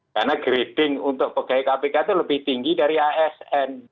karena grading untuk pegawai kpk itu lebih tinggi dari asn